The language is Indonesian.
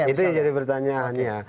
itu yang jadi pertanyaannya